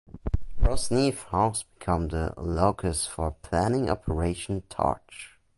Rosneath House became the locus for planning Operation Torch.